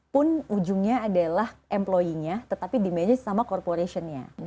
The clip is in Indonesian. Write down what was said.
pun ujungnya adalah employe nya tetapi di manage sama corporation nya